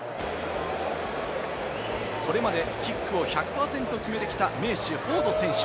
これまでキックを１００％決めてきた名手・フォード選手。